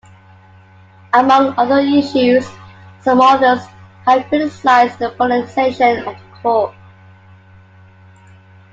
Among other issues, some authors have criticized the politization of the Court.